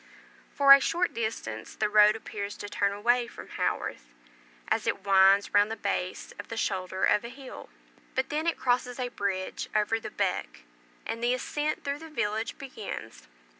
For a short distance the road appears to turn away from Haworth, as it winds round the base of the shoulder of a hill; but then it crosses a bridge over the "beck," and the ascent through the village begins.